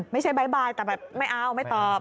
บ๊ายบายแต่แบบไม่เอาไม่ตอบ